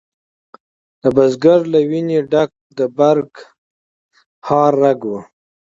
د بزګر له ویني ډک د برګ هر رګ و